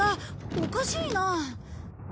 おかしいな。